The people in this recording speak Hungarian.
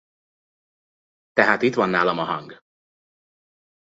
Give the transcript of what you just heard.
Tehát itt van nálam a Hung.